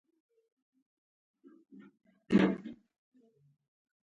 دا په یوه ناسته کې عملي او علمي مباحثه ده.